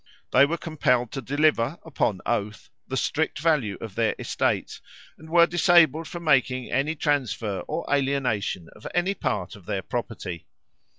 They were compelled to deliver, upon oath, the strict value of their estates, and were disabled from making any transfer or alienation of any part of their property.